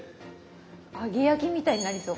揚げ焼きみたいになりそう。